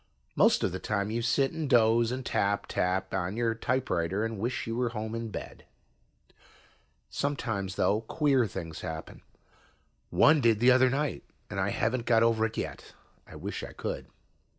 Most of the time you sit and doze and tap, tap on your typewriter and wish you were home in bed. Sometimes, though, queer things happen. One did the other night, and I haven't got over it yet. I wish I could.